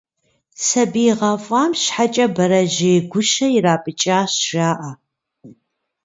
Сабий гъэфӏам щхьэкӏэ, бэрэжьей гущэ ирапӏыкӏащ, жаӏэ.